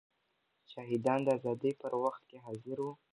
شاهدان د ازادۍ په وخت کې حاضر وو.